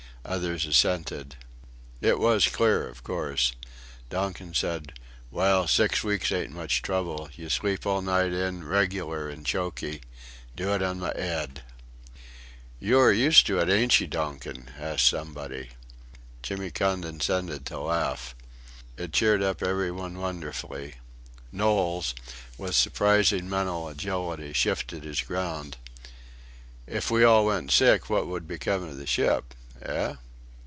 Others assented. It was clear, of course. Donkin said: "Well, six weeks ain't much trouble. You sleep all night in, reg'lar, in chokey. Do it on my 'ead." "You are used to it ainch'ee, Donkin?" asked somebody. Jimmy condescended to laugh. It cheered up every one wonderfully. Knowles, with surprising mental agility, shifted his ground. "If we all went sick what would become of the ship? eh?"